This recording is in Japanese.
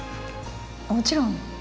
もちろん。